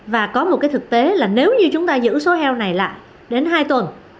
và có một cái thực tế là nếu như chúng ta giữ số heo này lại đến hai tuần